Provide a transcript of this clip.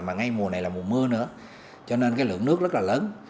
mà ngay mùa này là mùa mưa nữa cho nên cái lượng nước rất là lớn